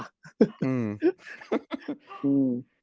อืม